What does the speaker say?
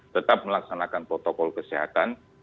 tetap melaksanakan protokol kesehatan